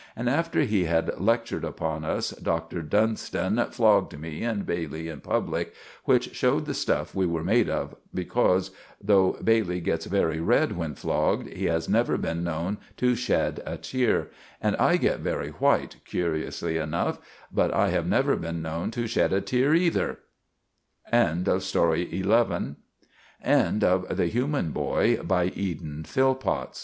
And, after he had lecktured upon us, Doctor Dunston flogged me and Bailey in publick, which showed the stuff we were made of, becorse, though Bailey gets very red when flogged, he has never been known to shedd a tear; and I get very white, curiously enuff; but I have never been known to shedd a tear either. THE END Transcriber's Note The text at times uses a semi literate narrator'